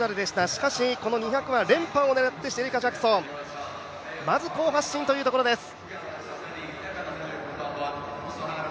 しかし、この２００は連覇を狙ってシェリカ・ジャクソンまず好発進というところです。